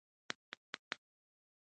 غول د درملنې پایله ده.